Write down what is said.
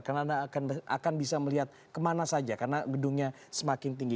karena anda akan bisa melihat kemana saja karena gedungnya semakin tinggi